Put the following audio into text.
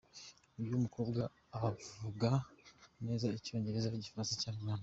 Uyu mukobwa avuga neza Icyongereza, Igifaransa n’Ikinyarwanda.